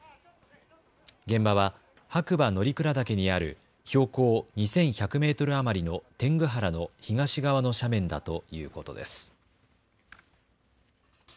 現場は白馬乗鞍岳にある標高２１００メートル余りの天狗原の東側の斜面だということです。